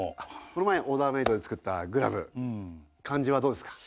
この前オーダーメードで作ったグラブ感じはどうですか？